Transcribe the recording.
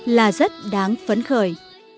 là rất đáng phấn khởi